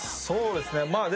そうですね。